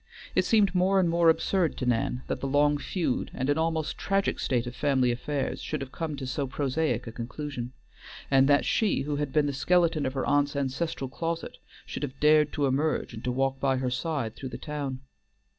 It seemed more and more absurd to Nan that the long feud and almost tragic state of family affairs should have come to so prosaic a conclusion, and that she who had been the skeleton of her aunt's ancestral closet should have dared to emerge and to walk by her side through the town.